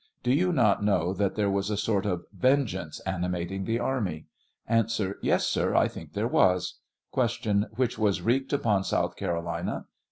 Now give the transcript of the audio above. Do you not know that there was a sort of venge ance animating the army ? A. Tes, sir ; I think there was. Q. Which was wreaked upon South Carolina